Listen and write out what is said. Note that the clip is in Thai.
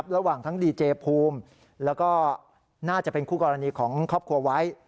ระหว่างทั้งดีเจภูมิแล้วก็น่าจะเป็นคู่กรณีของครอบครัวไว้